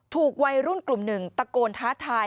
ถูกวัยรุ่นกลุ่มหนึ่งตะโกนท้าทาย